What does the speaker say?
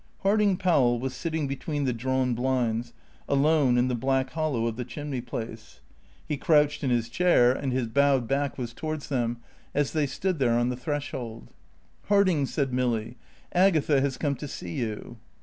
Harding Powell was sitting between the drawn blinds, alone in the black hollow of the chimney place. He crouched in his chair and his bowed back was towards them as they stood there on the threshold. "Harding," said Milly, "Agatha has come to see you."